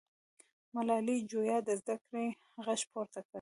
ملالۍ جویا د زده کړې غږ پورته کړ.